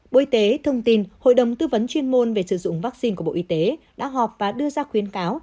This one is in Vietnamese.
bộ y tế thông tin hội đồng tư vấn chuyên môn về sử dụng vaccine của bộ y tế đã họp và đưa ra khuyến cáo